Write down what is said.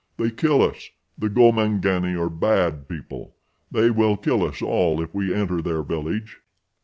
They kill us. The gomangani are bad people. They will kill us all if we enter their village."